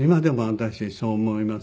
私もそう思います。